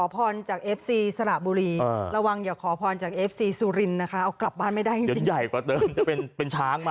ผมรักคุณนะครับเย้